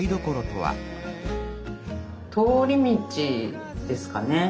通り道ですかね。